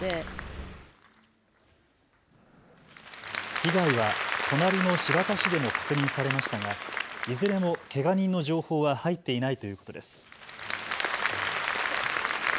被害は隣の新発田市でも確認されましたがいずれもけが人の情報は入っていないということです。